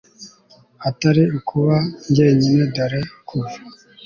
atari ukuba njyenyinedore kuva